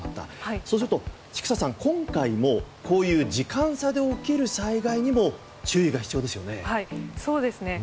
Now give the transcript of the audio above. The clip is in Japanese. そうすると千種さん、今回もこういう時間差で起きる災害にもそうですよね。